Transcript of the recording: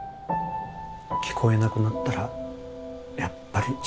聞こえなくなったらやっぱり